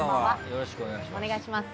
よろしくお願いします。